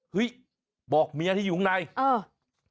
เฮ้ยบอกเมียที่อยู่ข้างในเออ